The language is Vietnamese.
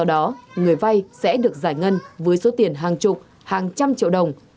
đó người vay sẽ được giải ngân với số tiền hàng chục hàng trăm triệu đồng